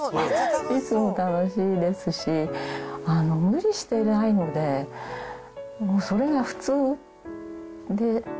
いつも楽しいですし、無理してないので、もうそれが普通で。